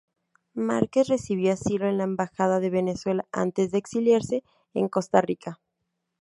Márquez recibió asilo en la Embajada de Venezuela antes de exiliarse en Costa Rica.